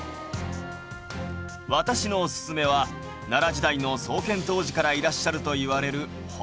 私のおすすめは奈良時代の創建当時からいらっしゃるといわれる仏様です。